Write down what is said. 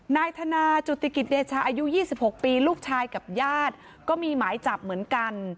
นายธนาจุติกิจเดชาอายุ๒๖ปีลูกชายกับญาติก็มีหมายจับเหมือนกัน